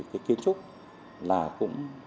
kiến trúc là cũng